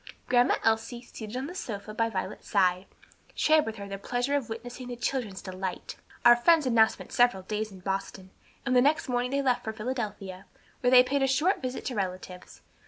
Grandma Elsie, seated on the sofa by Violet's side, shared with her the pleasure of witnessing the children's delight. Our friends had now spent several days in Boston, and the next morning they left for Philadelphia, where they paid a short visit to relatives.